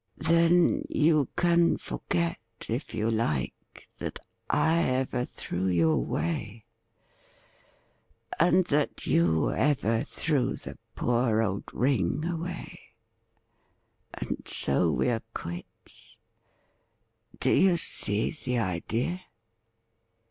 Then, you can forget, if you like, that I ever threw you away, and that you ever threw the poor old ring away, and so we ai e quits. Do you see the idea